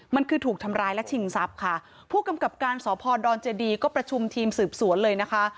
มันคือถูกทำร้ายและชิงทรัพย์ค่ะผู้กำกับการสพดอนเจดีก็ประชุมทีมสืบสวนเลยนะคะ